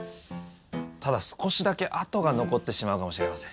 ただ少しだけ跡が残ってしまうかもしれません。